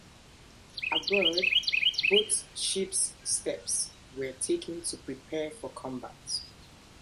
Aboard both ships steps were taken to prepare for combat.